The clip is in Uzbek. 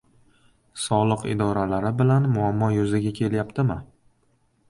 Soliq idoralari bilan muammo yuzaga kelyaptimi?